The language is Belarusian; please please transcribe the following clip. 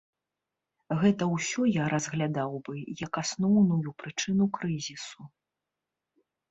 Гэта ўсё я разглядаў бы, як асноўную прычыну крызісу.